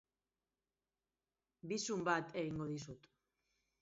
Bizum bat egingo dizut.